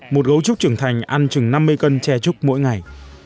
một gấu trúc trưởng thành ăn chừng năm mươi cân tre trúc mỗi ngày